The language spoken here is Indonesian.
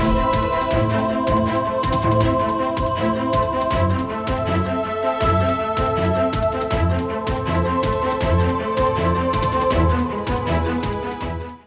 selepas itu dia berubah menjadi merah